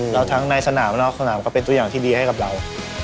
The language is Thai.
แล้วทั้งในสนามและนอกสนามก็เป็นตัวอย่างที่ดีให้กับเรา